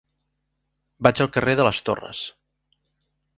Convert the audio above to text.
Vaig al carrer de les Torres.